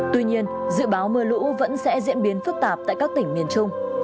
tuy nhiên dự báo mưa lũ vẫn sẽ diễn biến phức tạp tại các tỉnh miền trung